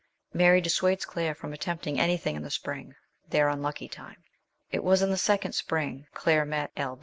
Mary dissuades Claire from attempting anything in the spring their unlucky time. It was in the second spring Claire met L.